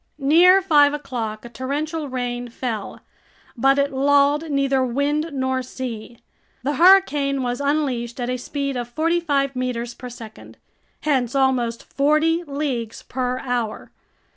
Near five o'clock a torrential rain fell, but it lulled neither wind nor sea. The hurricane was unleashed at a speed of forty five meters per second, hence almost forty leagues per hour.